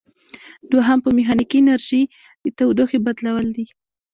دوهم په میخانیکي انرژي د تودوخې بدلول دي.